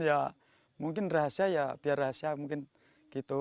ya mungkin rahasia ya biar rahasia mungkin gitu